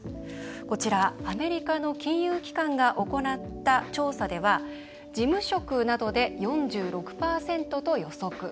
こちら、アメリカの金融機関が行った調査では事務職などで４６％と予測。